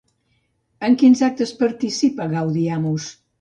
En quins actes participa Gaudiamus?